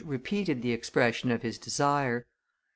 repeated the expression of his desire.